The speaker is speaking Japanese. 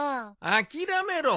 諦めろ。